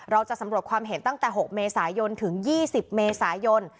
เราจะสำรวจความเห็นตั้งแต่๖เมษายนถึง๒๐เมษายน